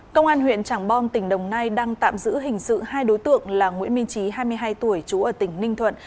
công an huyện trảng bom tỉnh đồng nai đang tạm giữ hình sự hai đối tượng là nguyễn minh trí hai mươi hai tuổi trú ở tỉnh ninh thuận